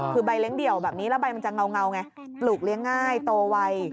คือใบเลี้ยเดี่ยวแบบนี้แล้วใบมันจะเงาไงปลูกเลี้ยงง่ายโตไว